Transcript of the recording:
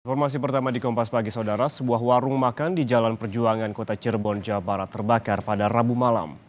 informasi pertama di kompas pagi saudara sebuah warung makan di jalan perjuangan kota cirebon jawa barat terbakar pada rabu malam